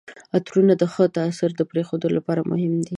عطرونه د ښه تاثر پرېښودو لپاره مهم دي.